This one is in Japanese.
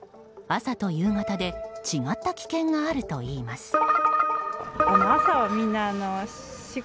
朝と夕方で違った危険があるといいます。